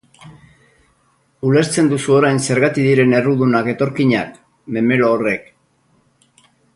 Ulertzen duzu orain zergatik diren errudunak etorkinak, memelo horrek?